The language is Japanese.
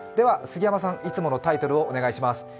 杉山さん、いつものタイトルをお願いします。